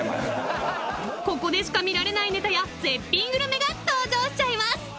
［ここでしか見られないネタや絶品グルメが登場しちゃいます］